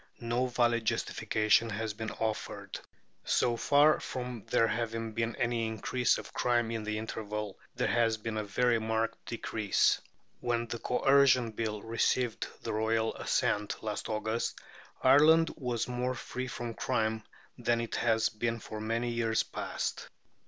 No valid justification has been offered. So far from there having been any increase of crime in the interval, there has been a very marked decrease. When the Coercion Bill received the royal assent last August, Ireland was more free from crime than it had been for many years past.